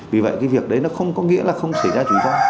vì vậy cái việc đấy nó không có nghĩa là không xảy ra rủi ro